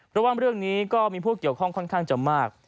เพราะว่าเรื่องนี้ก็มีผู้เกี่ยวข้องค่อนข้างจะมาก